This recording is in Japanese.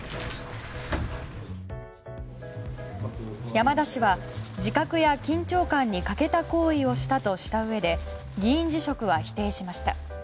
山田氏は自覚や緊張感に欠けた行為をしたとしたうえで議員辞職は否定しました。